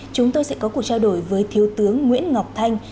chúng tôi sẽ có cuộc trao đổi với thiếu tướng nguyễn ngọc thanh